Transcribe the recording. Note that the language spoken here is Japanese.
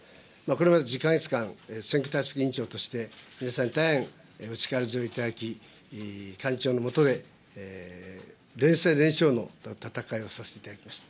これまで１０か月間、選挙対策委員長として、皆さんに大変力強いお力を頂き、幹事長の下で、全戦全勝の戦いをさせていただきました。